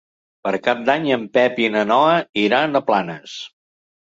Per Cap d'Any en Pep i na Noa iran a Planes.